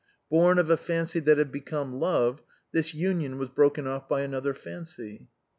Born of a fancy that had become love, this union was broken off by another fancy.